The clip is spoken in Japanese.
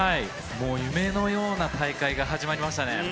もう夢のような大会が始まりましたね。